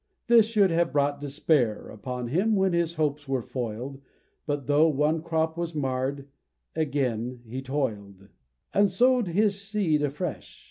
This should have brought Despair upon him when his hopes were foil'd, But though one crop was marr'd, again he toil'd; And sow'd his seed afresh.